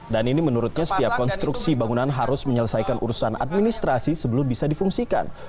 dan ini menurutnya setiap konstruksi bangunan harus menyelesaikan urusan administrasi sebelum bisa difungsikan